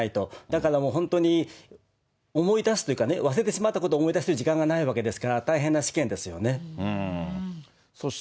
だから本当に思い出すというかね、忘れてしまったことを思い出している時間がないわけですから、大変な試験ですよね。